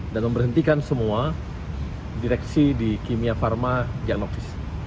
dan memberhentikan semua direksi di kimia pharma diagnostica